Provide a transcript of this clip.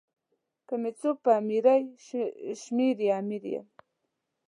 که می څوک په امیری شمېري امیر یم.